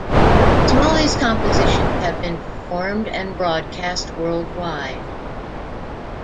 Smalley's compositions have been performed and broadcast worldwide.